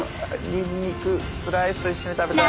にんにくスライスと一緒に食べたい。